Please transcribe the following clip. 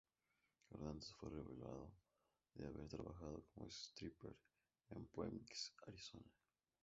Hernández fue revelado de haber trabajado como stripper en Phoenix, Arizona.